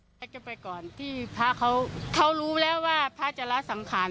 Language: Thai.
ในเข้ากี่ไปก่อนที่พระเขารู้แล้วว่าพระธรรมกร